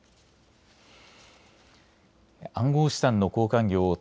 暗号資産の交換業大手